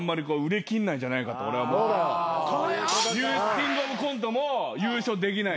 キングオブコントも優勝できない。